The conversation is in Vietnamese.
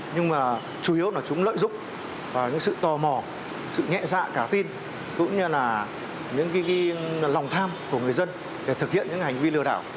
nhưng mà chủ yếu là chúng lợi dụng vào những sự tò mò sự nhẹ dạ cả tin cũng như là những lòng tham của người dân để thực hiện những hành vi lừa đảo